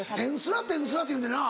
『転スラ』って言うねんな。